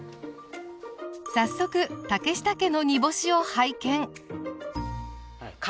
早速竹下家の煮干しを拝見。